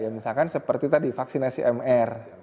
misalkan seperti tadi vaksinasi mr